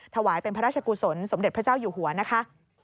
ถวายเป็นพระราชกุศลสมเด็จพระเจ้าอยู่หัวนะคะ